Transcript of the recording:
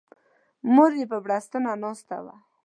مور یې په بړستنه ناسته وه.